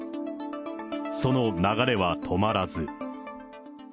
その流れは止まらず。